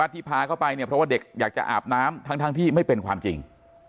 ที่พาเข้าไปเนี่ยเพราะว่าเด็กอยากจะอาบน้ำทั้งที่ไม่เป็นความจริง